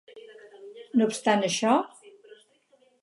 No obstant això.